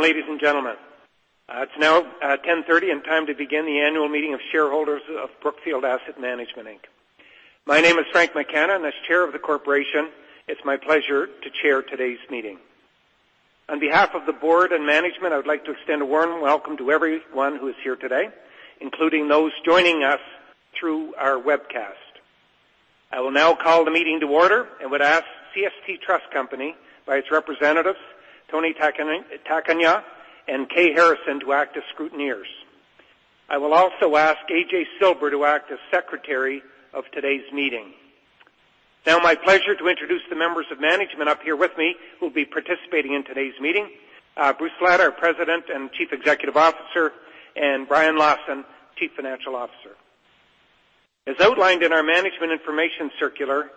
Ladies and gentlemen. It's now 10:30 A.M. and time to begin the annual meeting of shareholders of Brookfield Asset Management Inc. My name is Frank McKenna, and as chair of the corporation, it's my pleasure to chair today's meeting. On behalf of the board and management, I would like to extend a warm welcome to everyone who is here today, including those joining us through our webcast. I will now call the meeting to order and would ask CST Trust Company by its representatives, [Tony Takanya] and Kay Harrison, to act as scrutineers. I will also ask A.J. Silber to act as secretary of today's meeting. My pleasure to introduce the members of management up here with me who will be participating in today's meeting. Bruce Flatt, our President and Chief Executive Officer, and Brian Lawson, Chief Financial Officer. As outlined in our management information circular,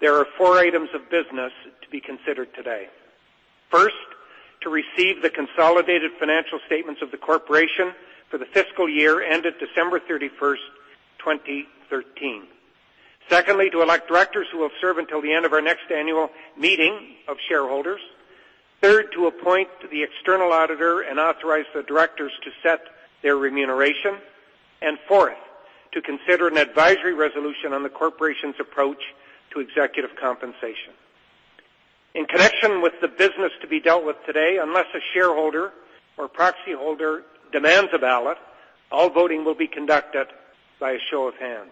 there are four items of business to be considered today. First, to receive the consolidated financial statements of the corporation for the fiscal year ended December 31st, 2013. Secondly, to elect directors who will serve until the end of our next annual meeting of shareholders. Third, to appoint the external auditor and authorize the directors to set their remuneration. Fourth, to consider an advisory resolution on the corporation's approach to executive compensation. In connection with the business to be dealt with today, unless a shareholder or proxy holder demands a ballot, all voting will be conducted by a show of hands.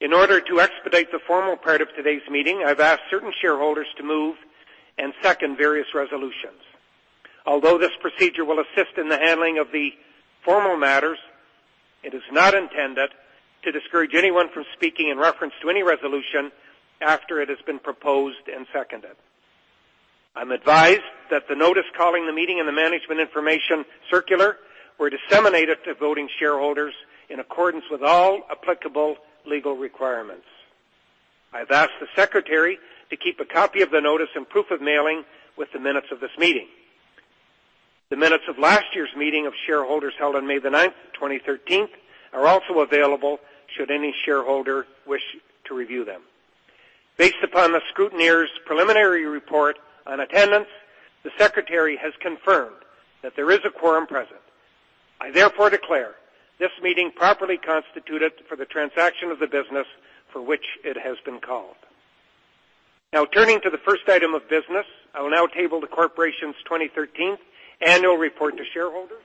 In order to expedite the formal part of today's meeting, I've asked certain shareholders to move and second various resolutions. Although this procedure will assist in the handling of the formal matters, it is not intended to discourage anyone from speaking in reference to any resolution after it has been proposed and seconded. I'm advised that the notice calling the meeting and the management information circular were disseminated to voting shareholders in accordance with all applicable legal requirements. I've asked the secretary to keep a copy of the notice and proof of mailing with the minutes of this meeting. The minutes of last year's meeting of shareholders held on May the 9th, 2013, are also available should any shareholder wish to review them. Based upon the scrutineer's preliminary report on attendance, the secretary has confirmed that there is a quorum present. I therefore declare this meeting properly constituted for the transaction of the business for which it has been called. Turning to the first item of business, I will now table the corporation's 2013 annual report to shareholders,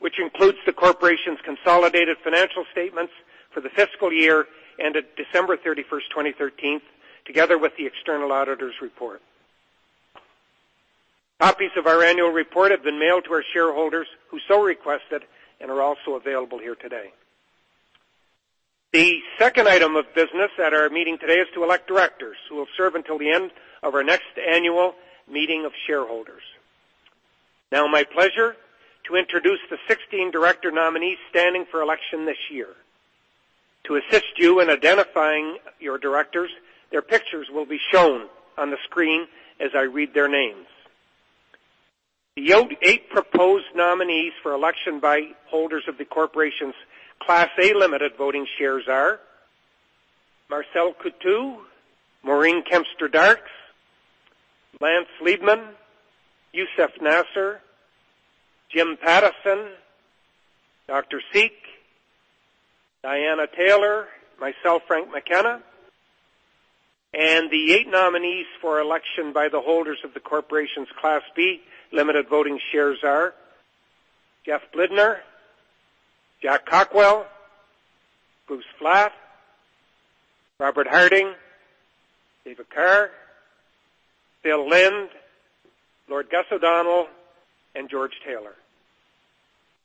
which includes the corporation's consolidated financial statements for the fiscal year ended December 31st, 2013, together with the external auditor's report. Copies of our annual report have been mailed to our shareholders who so requested and are also available here today. The second item of business at our meeting today is to elect directors who will serve until the end of our next annual meeting of shareholders. My pleasure to introduce the 16 director nominees standing for election this year. To assist you in identifying your directors, their pictures will be shown on the screen as I read their names. The eight proposed nominees for election by holders of the corporation's Class A limited voting shares are Marcel Coutu, Maureen Kempston Darkes, Lance Liebman, Youssef Nasr, Jim Pattison, Dr. Seek, Diana Taylor, myself, Frank McKenna. The eight nominees for election by the holders of the corporation's Class B limited voting shares are Jeff Blidner, Jack Cockwell, Bruce Flatt, Robert Harding, David Kerr, Philip Lind, Lord Gus O'Donnell, and George Taylor.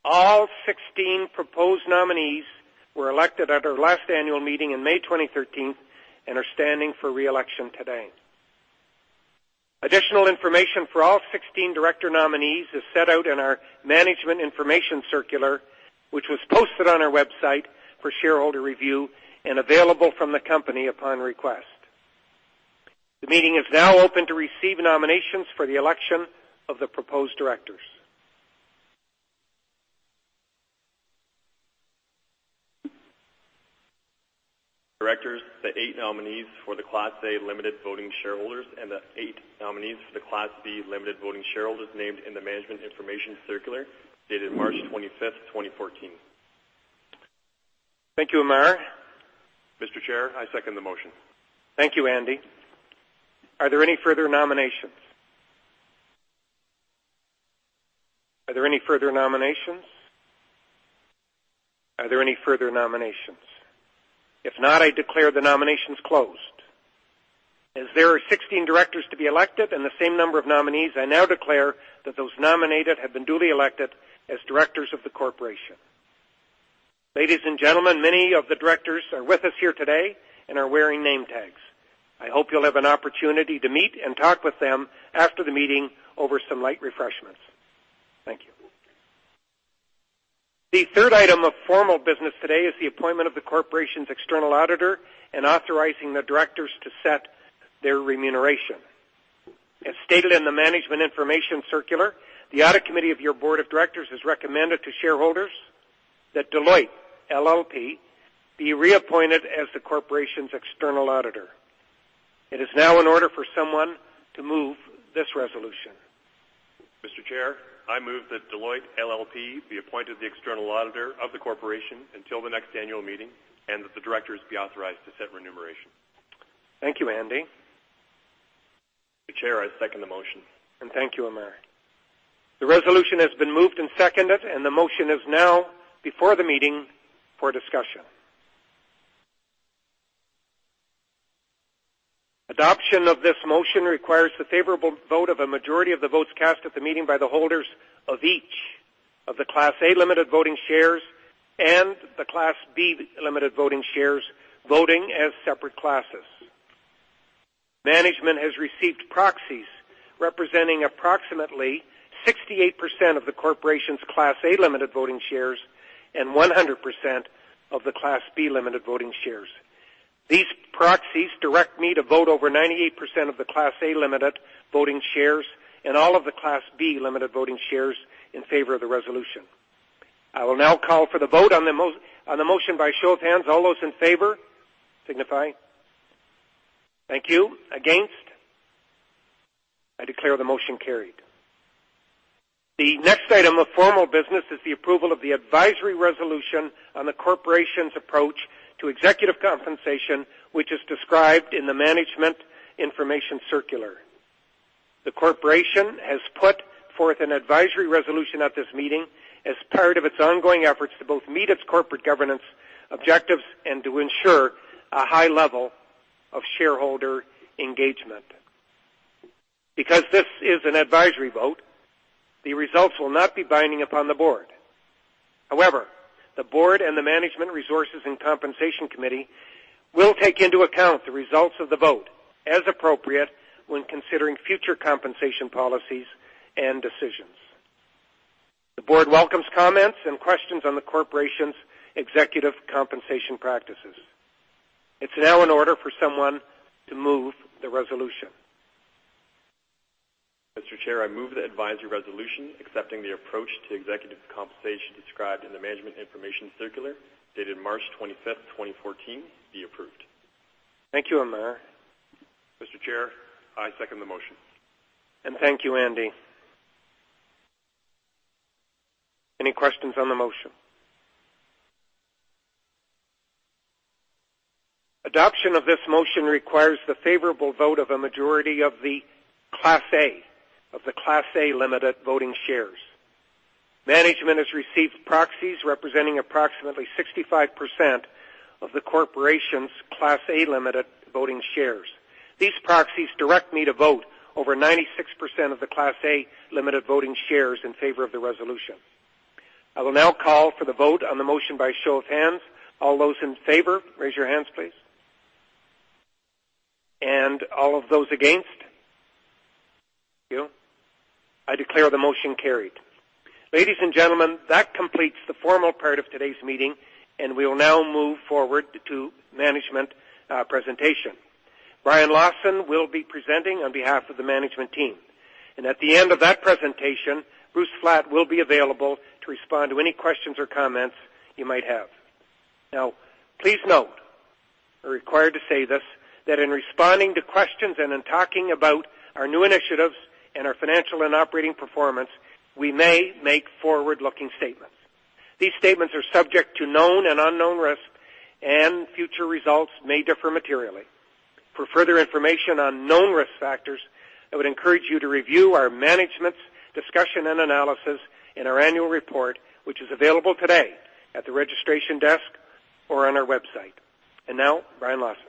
All 16 proposed nominees were elected at our last annual meeting in May 2013 and are standing for re-election today. Additional information for all 16 director nominees is set out in our management information circular, which was posted on our website for shareholder review and available from the company upon request. The meeting is now open to receive nominations for the election of the proposed directors. Directors, the eight nominees for the Class A limited voting shareholders and the eight nominees for the Class B limited voting shareholders named in the management information circular dated March 25th, 2014. Thank you, Amar. Mr. Chair, I second the motion. Thank you, Andy. Are there any further nominations? Are there any further nominations? Are there any further nominations? If not, I declare the nominations closed. As there are 16 directors to be elected and the same number of nominees, I now declare that those nominated have been duly elected as directors of the corporation. Ladies and gentlemen, many of the directors are with us here today and are wearing name tags. I hope you'll have an opportunity to meet and talk with them after the meeting over some light refreshments. Thank you. The third item of formal business today is the appointment of the corporation's external auditor and authorizing the directors to set their remuneration. Stated in the management information circular, the Audit Committee of your Board of Directors has recommended to shareholders that Deloitte LLP be reappointed as the corporation's external auditor. It is now in order for someone to move this resolution. Mr. Chair, I move that Deloitte LLP be appointed the external auditor of the corporation until the next annual meeting, and that the directors be authorized to set remuneration. Thank you, Andy. Mr. Chair, I second the motion. Thank you, Amar. The resolution has been moved and seconded, and the motion is now before the meeting for discussion. Adoption of this motion requires the favorable vote of a majority of the votes cast at the meeting by the holders of each of the Class A limited voting shares and the Class B limited voting shares, voting as separate classes. Management has received proxies representing approximately 68% of the corporation's Class A limited voting shares and 100% of the Class B limited voting shares. These proxies direct me to vote over 98% of the Class A limited voting shares and all of the Class B limited voting shares in favor of the resolution. I will now call for the vote on the motion by show of hands. All those in favor, signify. Thank you. Against? I declare the motion carried. The next item of formal business is the approval of the advisory resolution on the corporation's approach to executive compensation, which is described in the management information circular. The corporation has put forth an advisory resolution at this meeting as part of its ongoing efforts to both meet its corporate governance objectives and to ensure a high level of shareholder engagement. Because this is an advisory vote, the results will not be binding upon the board. However, the board and the management resources and compensation committee will take into account the results of the vote as appropriate when considering future compensation policies and decisions. The board welcomes comments and questions on the corporation's executive compensation practices. It's now in order for someone to move the resolution. Mr. Chair, I move the advisory resolution accepting the approach to executive compensation described in the management information circular, dated March 25th, 2014, be approved. Thank you, Amer. Mr. Chair, I second the motion. Thank you, Andy. Any questions on the motion? Adoption of this motion requires the favorable vote of a majority of the Class A limited voting shares. Management has received proxies representing approximately 65% of the corporation's Class A limited voting shares. These proxies direct me to vote over 96% of the Class A limited voting shares in favor of the resolution. I will now call for the vote on the motion by show of hands. All those in favor, raise your hands, please. All of those against? Thank you. I declare the motion carried. Ladies and gentlemen, that completes the formal part of today's meeting, and we will now move forward to management presentation. Brian Lawson will be presenting on behalf of the management team. At the end of that presentation, Bruce Flatt will be available to respond to any questions or comments you might have. Please note, I'm required to say this, that in responding to questions and in talking about our new initiatives and our financial and operating performance, we may make forward-looking statements. These statements are subject to known and unknown risks, and future results may differ materially. For further information on known risk factors, I would encourage you to review our Management's Discussion and Analysis in our Annual Report, which is available today at the registration desk or on our website. Now, Brian Lawson.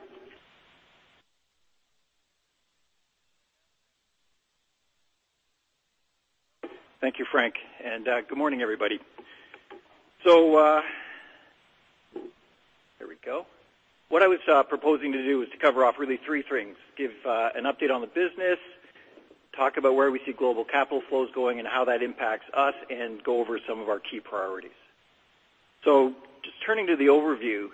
Thank you, Frank, and good morning, everybody. There we go. What I was proposing to do is to cover off really three things, give an update on the business, talk about where we see global capital flows going and how that impacts us, and go over some of our key priorities. Just turning to the overview.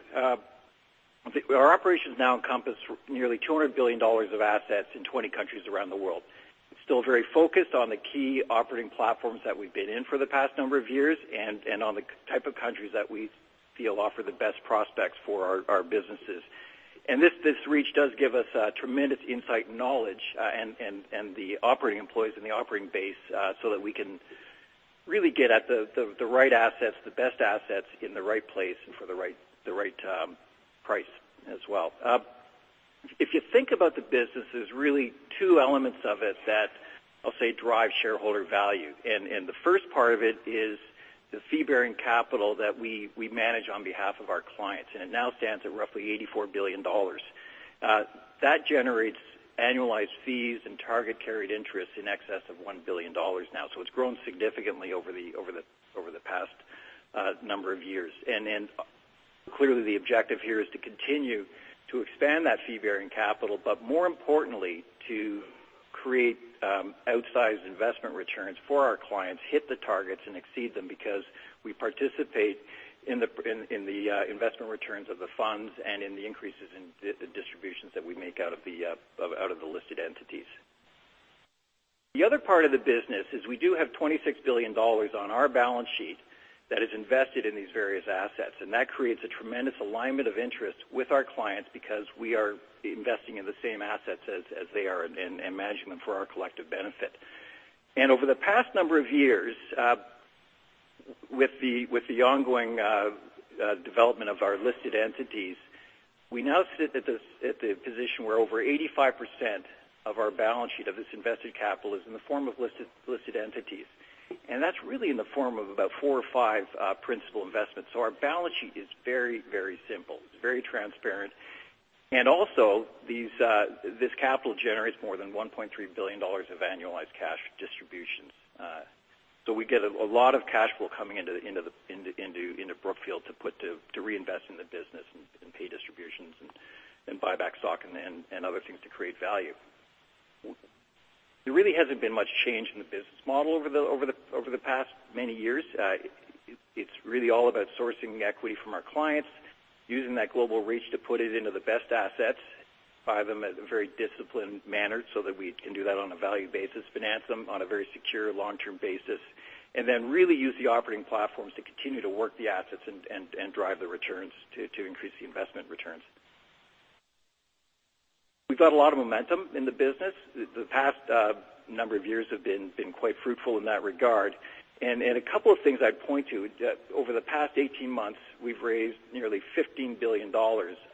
Our operations now encompass nearly $200 billion of assets in 20 countries around the world. It's still very focused on the key operating platforms that we've been in for the past number of years and on the type of countries that we feel offer the best prospects for our businesses. This reach does give us tremendous insight, knowledge, and the operating employees and the operating base, so that we can really get at the right assets, the best assets in the right place and for the right price as well. If you think about the business, there's really two elements of it that I'll say drive shareholder value. The first part of it is the fee-bearing capital that we manage on behalf of our clients, and it now stands at roughly $84 billion. That generates annualized fees and target carried interest in excess of $1 billion now. It's grown significantly over the past number of years. Clearly the objective here is to continue to expand that fee-bearing capital, but more importantly, to create outsized investment returns for our clients, hit the targets, and exceed them because we participate in the investment returns of the funds and in the increases in the distributions that we make out of the listed entities. The other part of the business is we do have $26 billion on our balance sheet that is invested in these various assets. That creates a tremendous alignment of interest with our clients because we are investing in the same assets as they are and managing them for our collective benefit. Over the past number of years, with the ongoing development of our listed entities, we now sit at the position where over 85% of our balance sheet of this invested capital is in the form of listed entities. That's really in the form of about four or five principal investments. Our balance sheet is very simple. It's very transparent. Also, this capital generates more than $1.3 billion of annualized cash distributions. We get a lot of cash flow coming into Brookfield to reinvest in the business, pay distributions, buy back stock, and other things to create value. There really hasn't been much change in the business model over the past many years. It's really all about sourcing equity from our clients, using that global reach to put it into the best assets, buy them at a very disciplined manner so that we can do that on a value basis, finance them on a very secure long-term basis, and then really use the operating platforms to continue to work the assets and drive the returns to increase the investment returns. We've got a lot of momentum in the business. The past number of years have been quite fruitful in that regard. A couple of things I'd point to. Over the past 18 months, we've raised nearly $15 billion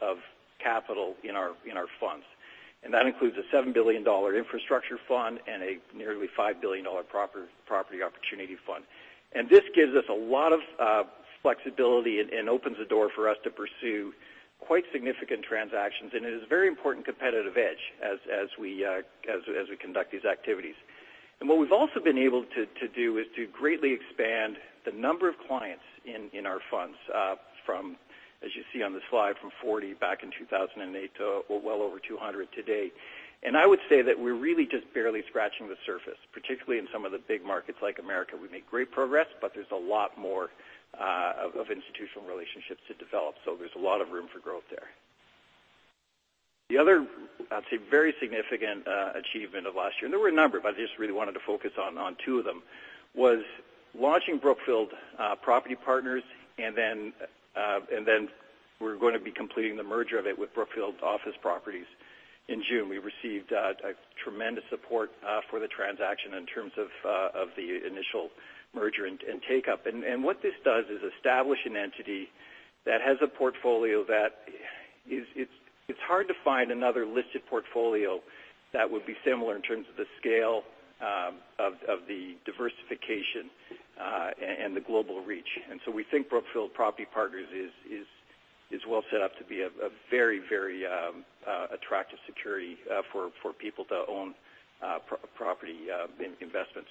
of capital in our funds. That includes a $7 billion infrastructure fund and a nearly $5 billion property opportunity fund. This gives us a lot of flexibility and opens the door for us to pursue quite significant transactions. It is a very important competitive edge as we conduct these activities. What we've also been able to do is to greatly expand the number of clients in our funds from, as you see on the slide, from 40 back in 2008 to well over 200 today. I would say that we're really just barely scratching the surface, particularly in some of the big markets like America. We make great progress, but there's a lot more of institutional relationships to develop. There's a lot of room for growth there. The other, I'd say, very significant achievement of last year, and there were a number, but I just really wanted to focus on two of them, was launching Brookfield Property Partners. Then we're going to be completing the merger of it with Brookfield Office Properties in June. We received tremendous support for the transaction in terms of the initial merger and take-up. What this does is establish an entity that has a portfolio that it's hard to find another listed portfolio that would be similar in terms of the scale of the diversification, and the global reach. We think Brookfield Property Partners is well set up to be a very attractive security for people to own property investments.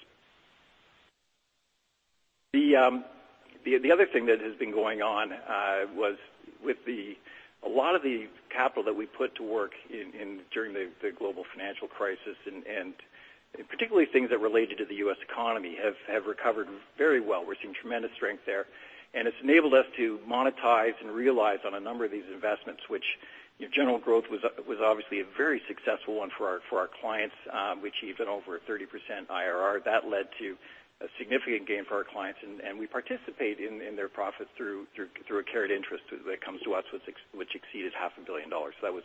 The other thing that has been going on was with a lot of the capital that we put to work during the global financial crisis, and particularly things that related to the U.S. economy, have recovered very well. We're seeing tremendous strength there. It's enabled us to monetize and realize on a number of these investments, which General Growth was obviously a very successful one for our clients, which even over a 30% IRR. That led to a significant gain for our clients. We participate in their profits through a carried interest that comes to us, which exceeded half a billion dollars. That was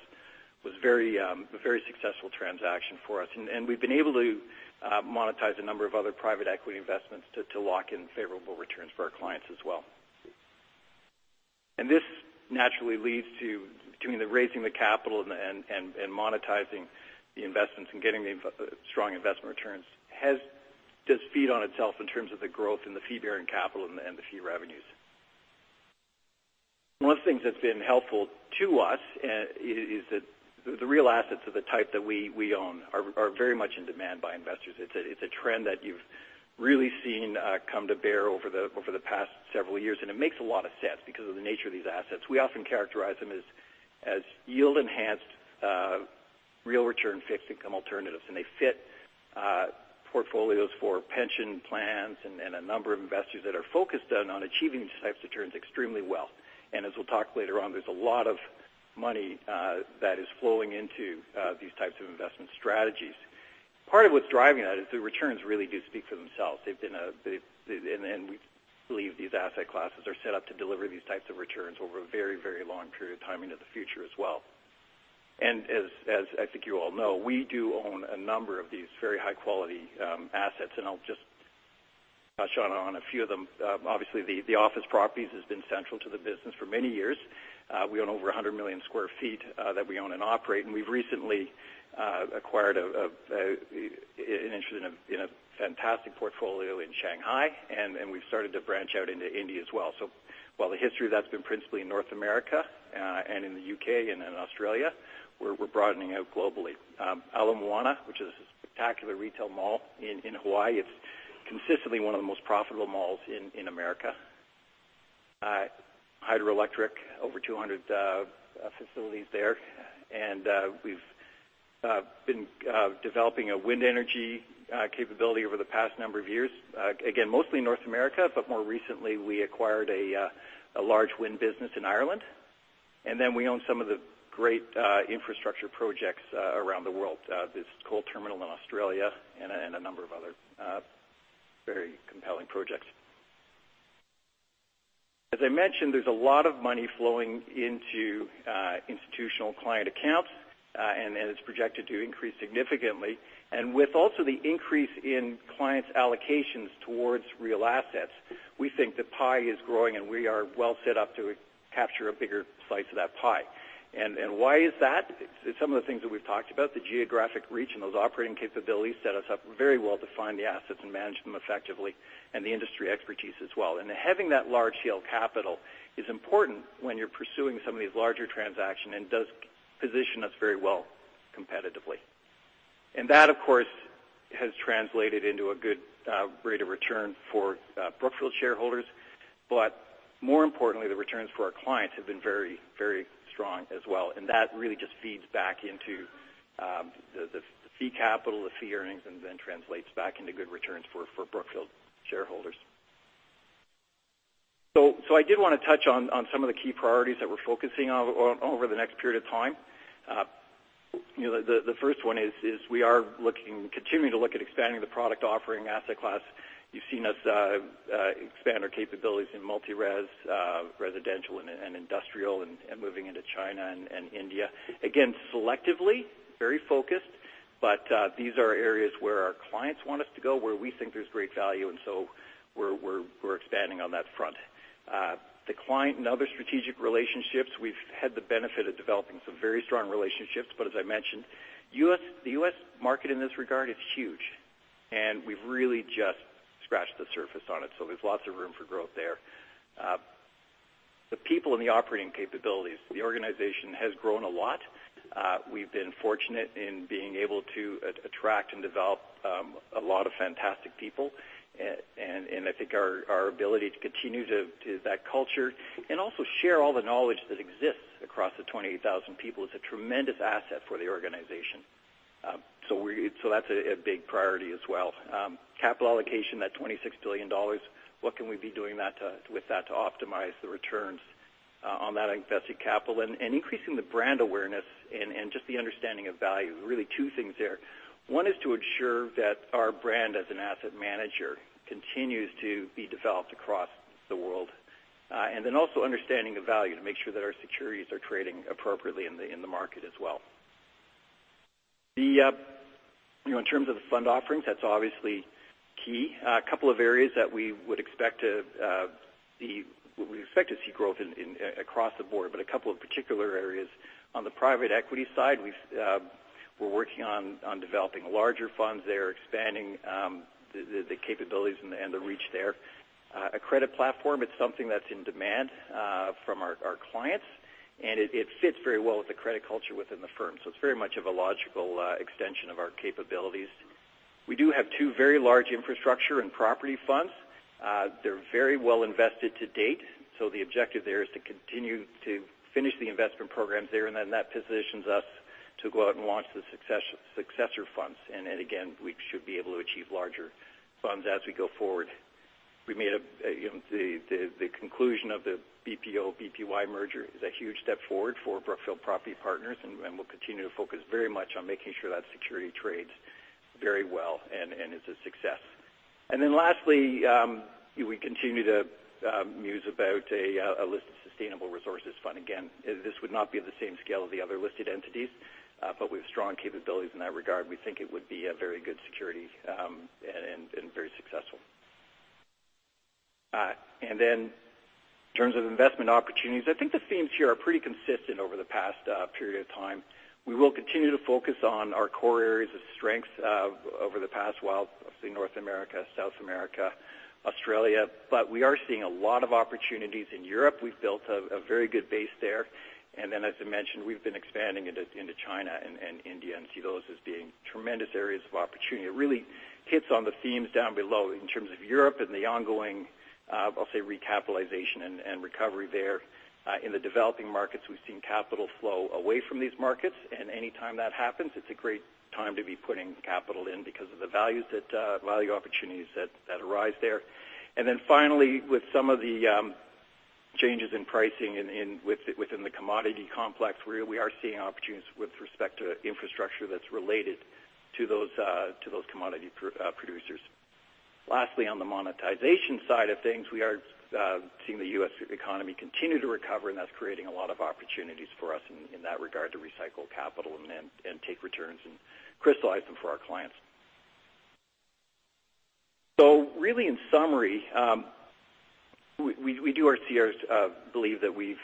a very successful transaction for us. We've been able to monetize a number of other private equity investments to lock in favorable returns for our clients as well. This naturally leads to between the raising the capital and monetizing the investments and getting the strong investment returns, does feed on itself in terms of the growth in the fee-bearing capital and the fee revenues. One of the things that's been helpful to us is that the real assets of the type that we own are very much in demand by investors. It's a trend that you've really seen come to bear over the past several years. It makes a lot of sense because of the nature of these assets. We often characterize them as yield-enhanced real return fixed income alternatives. They fit portfolios for pension plans and a number of investors that are focused on achieving these types of returns extremely well. As we'll talk later on, there's a lot of money that is flowing into these types of investment strategies. Part of what's driving that is the returns really do speak for themselves. We believe these asset classes are set up to deliver these types of returns over a very long period of time into the future as well. As I think you all know, we do own a number of these very high-quality assets. I'll just touch on a few of them. Obviously, the office properties has been central to the business for many years. We own over 100 million sq ft that we own and operate. We've recently acquired an interest in a fantastic portfolio in Shanghai. We've started to branch out into India as well. While the history of that's been principally in North America and in the U.K. and in Australia, we're broadening out globally. Ala Moana, which is a spectacular retail mall in Hawaii. It's consistently one of the most profitable malls in America. Hydroelectric, over 200 facilities there. We've been developing a wind energy capability over the past number of years. Again, mostly North America, but more recently we acquired a large wind business in Ireland. We own some of the great infrastructure projects around the world. There's a coal terminal in Australia and a number of other very compelling projects. As I mentioned, there's a lot of money flowing into institutional client accounts, and it's projected to increase significantly. With also the increase in clients' allocations towards real assets, we think the pie is growing, and we are well set up to capture a bigger slice of that pie. Why is that? Some of the things that we've talked about, the geographic reach and those operating capabilities set us up very well to find the assets and manage them effectively, and the industry expertise as well. Having that large scale capital is important when you're pursuing some of these larger transactions and does position us very well competitively. That, of course, has translated into a good rate of return for Brookfield shareholders. More importantly, the returns for our clients have been very strong as well. That really just feeds back into the fee capital, the fee earnings, and then translates back into good returns for Brookfield shareholders. I did want to touch on some of the key priorities that we're focusing on over the next period of time. The first one is we are continuing to look at expanding the product offering asset class. You've seen us expand our capabilities in multi-res, residential, and industrial and moving into China and India. Again, selectively, very focused, but these are areas where our clients want us to go, where we think there's great value, we're expanding on that front. The client and other strategic relationships, we've had the benefit of developing some very strong relationships. As I mentioned, the U.S. market in this regard is huge, and we've really just scratched the surface on it. There's lots of room for growth there. The people and the operating capabilities. The organization has grown a lot. We've been fortunate in being able to attract and develop a lot of fantastic people. I think our ability to continue that culture and also share all the knowledge that exists across the 28,000 people is a tremendous asset for the organization. That's a big priority as well. Capital allocation, that $26 billion. What can we be doing with that to optimize the returns on that invested capital. Increasing the brand awareness and just the understanding of value. Really two things there. One is to ensure that our brand as an asset manager continues to be developed across the world. Also understanding the value to make sure that our securities are trading appropriately in the market as well. In terms of the fund offerings, that's obviously key. A couple of areas that we would expect to see growth in across the board, but a couple of particular areas. On the private equity side, we're working on developing larger funds there, expanding the capabilities and the reach there. A credit platform, it's something that's in demand from our clients, and it fits very well with the credit culture within the firm. It's very much of a logical extension of our capabilities. We do have two very large infrastructure and property funds. They're very well invested to date. The objective there is to continue to finish the investment programs there, and then that positions us to go out and launch the successor funds. Again, we should be able to achieve larger funds as we go forward. The conclusion of the BPO/BPY merger is a huge step forward for Brookfield Property Partners, and we'll continue to focus very much on making sure that security trades very well and is a success. Lastly, we continue to muse about a listed sustainable resources fund. Again, this would not be of the same scale of the other listed entities. With strong capabilities in that regard, we think it would be a very good security and very successful. In terms of investment opportunities, I think the themes here are pretty consistent over the past period of time. We will continue to focus on our core areas of strength over the past, well, obviously North America, South America, Australia. We are seeing a lot of opportunities in Europe. We've built a very good base there. As I mentioned, we've been expanding into China and India and see those as being tremendous areas of opportunity. It really hits on the themes down below in terms of Europe and the ongoing, I'll say, recapitalization and recovery there. In the developing markets, we've seen capital flow away from these markets. Any time that happens, it's a great time to be putting capital in because of the value opportunities that arise there. Finally, with some of the changes in pricing within the commodity complex, we are seeing opportunities with respect to infrastructure that's related to those commodity producers. Lastly, on the monetization side of things, we are seeing the U.S. economy continue to recover, and that's creating a lot of opportunities for us in that regard to recycle capital and take returns and crystallize them for our clients. Really, in summary, we do believe that we're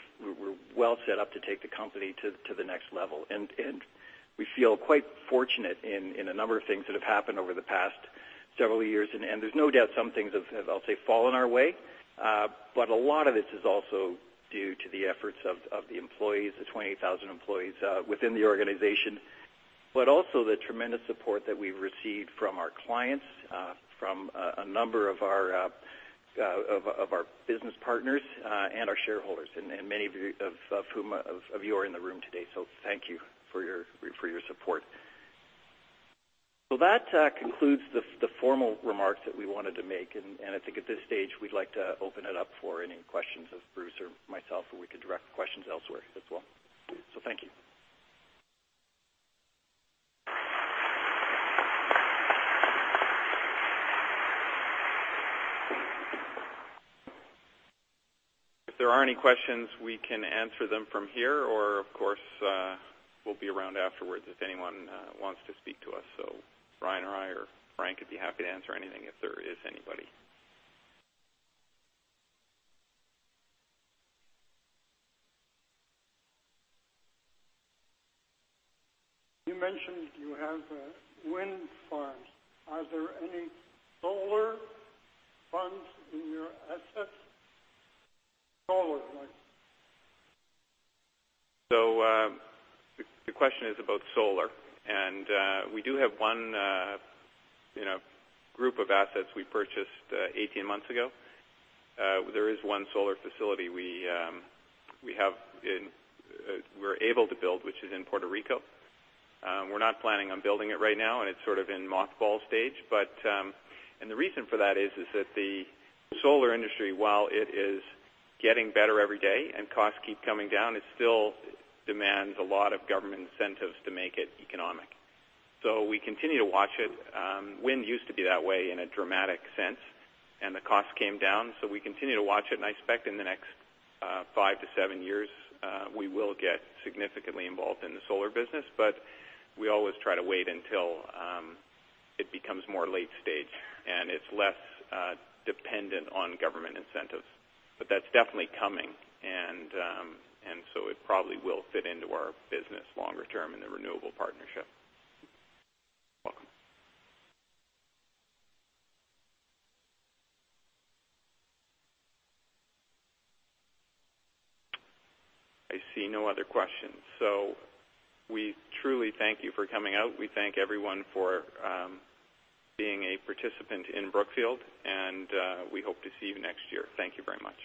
well set up to take the company to the next level. We feel quite fortunate in a number of things that have happened over the past several years. There's no doubt some things have, I'll say, fallen our way. A lot of this is also due to the efforts of the employees, the 28,000 employees within the organization. Also the tremendous support that we've received from our clients, from a number of our business partners, and our shareholders. Many of you are in the room today. Thank you for your support. Well, that concludes the formal remarks that we wanted to make, and I think at this stage, we'd like to open it up for any questions of Bruce or myself, or we could direct questions elsewhere as well. Thank you. If there are any questions, we can answer them from here, or, of course, we'll be around afterwards if anyone wants to speak to us. Brian or I or Frank would be happy to answer anything if there is anybody. You mentioned you have wind farms. Are there any solar farms in your assets? Solar farms. The question is about solar. We do have one group of assets we purchased 18 months ago. There is one solar facility we were able to build, which is in Puerto Rico. We're not planning on building it right now, and it's sort of in mothball stage. The reason for that is that the solar industry, while it is getting better every day and costs keep coming down, it still demands a lot of government incentives to make it economic. We continue to watch it. Wind used to be that way in a dramatic sense, and the cost came down. We continue to watch it, and I expect in the next 5 to 7 years, we will get significantly involved in the solar business. We always try to wait until it becomes more late-stage, and it's less dependent on government incentives. That's definitely coming, it probably will fit into our business longer term in the renewable partnership. Welcome. I see no other questions. We truly thank you for coming out. We thank everyone for being a participant in Brookfield, and we hope to see you next year. Thank you very much.